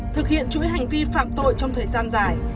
thực hiện chuỗi hành vi phạm tội trong thời gian dài